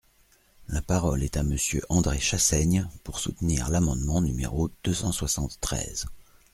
La parole est à Monsieur André Chassaigne, pour soutenir l’amendement numéro deux cent soixante-treize.